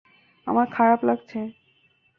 আমার খারাপ লাগছে।